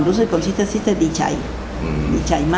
รู้สึกของสิสเตอร์สิสเตอร์มีใจ